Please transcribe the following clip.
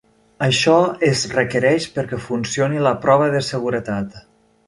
Això es requereix perquè funcioni la prova de seguretat.